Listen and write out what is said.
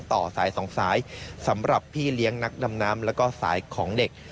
ต่อสายสองสายสำหรับพี่เลี้ยงนักดำน้ำแล้วก็สายของเด็ก